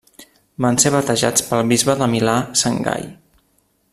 Van ser batejats pel bisbe de Milà sant Gai.